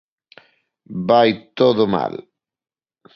Vai todo mal.